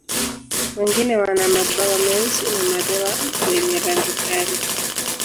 Wengine wana mabawa meusi na madoa wenye rangi kali.